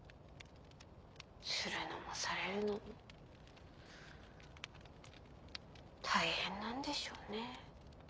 するのもされるのも大変なんでしょうね。